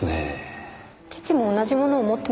父も同じものを持ってました。